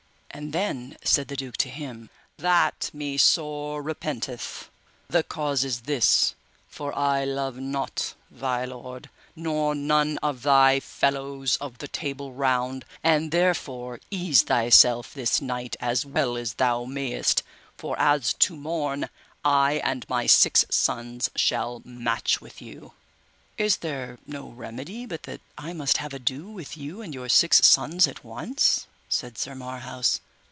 And then said the duke to him, That me sore repenteth: the cause is this, for I love not thy lord nor none of thy fellows of the Table Round; and therefore ease thyself this night as well as thou mayest, for as to morn I and my six sons shall match with you. Is there no remedy but that I must have ado with you and your six sons at once? said Sir Marhaus.